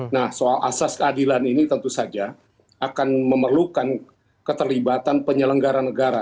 nah soal asas keadilan ini tentu saja akan memerlukan keterlibatan penyelenggara negara